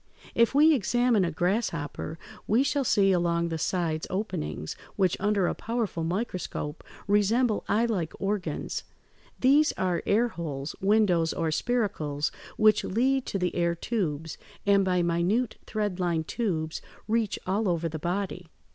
If we examine a grasshopper (Fig. 160), we shall see along the sides openings, which under a powerful microscope resemble eyelike organs (Fig. 161). These are air holes, windows, or spiracles, which lead to the air tubes, and by minute thread lined tubes reach all over the body.